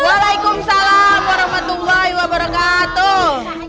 waalaikumsalam warahmatullahi wabarakatuh